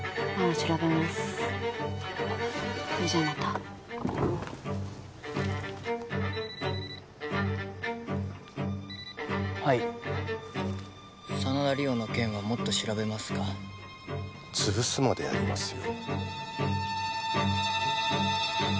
それじゃまたはい真田梨央の件はもっと調べますか潰すまでやりますよ